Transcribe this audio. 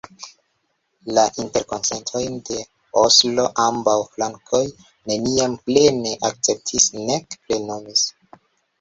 La Interkonsentojn de Oslo ambaŭ flankoj neniam plene akceptis nek plenumis.